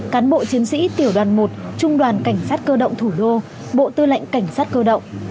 cán bộ chiến sĩ tiểu đoàn một trung đoàn cảnh sát cơ động thủ đô bộ tư lệnh cảnh sát cơ động